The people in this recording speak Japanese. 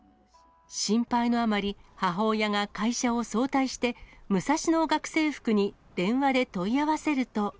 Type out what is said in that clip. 心配のあまり、母親が会社を早退して、ムサシノ学生服に電話で問い合わせると。